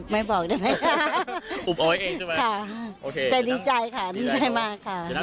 เมื่อกี้เห็นแล้วขึ้นมา๔ลูกติดรู้สึกอย่างไรบ้างครับ